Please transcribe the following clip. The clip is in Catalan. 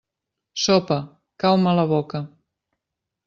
Sopa, cau-me a la boca.